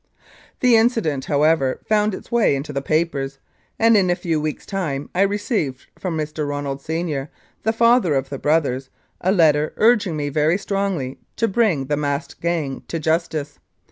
The incident, however, found its way into the papers, and in a few weeks* time I received from Mr. Ronald, Senior, the father of the brothers, a letter urging me very strongly to bring the masked gang to justice.